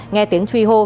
nghe tiếng truy hô